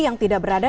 yang tidak berada